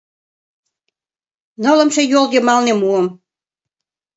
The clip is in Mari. Нылымше йол йымалне муым.